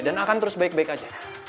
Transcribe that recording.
dan akan terus baik baik aja